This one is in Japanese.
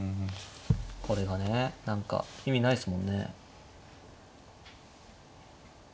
これがね何か意味ないっすもんね。